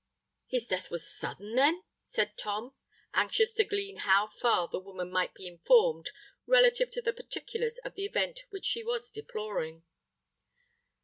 "His death was sudden, then?" said Tom, anxious to glean how far the woman might be informed relative to the particulars of the event which she was deploring.